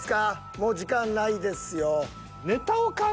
もう時間ないですよ。